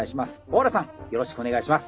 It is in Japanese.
よろしくお願いします。